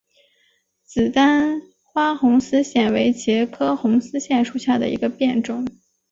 紫单花红丝线为茄科红丝线属下的一个变种。